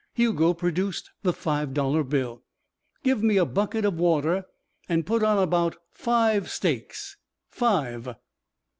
Hugo produced the five dollar bill. "Give me a bucket of water and put on about five steaks. Five."